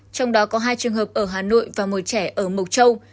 trong đó có hai trường hợp ở hà nội và một trẻ ở mộc châu